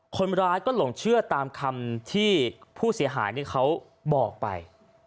คนร้ายก็หลงเชื่อตามคำที่ผู้เสียหายเขาบอกไป